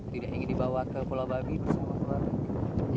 tidak ingin dibawa ke pulau babi bersama keluarga